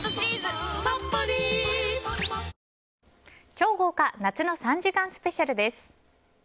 超豪華夏の３時間スペシャルです。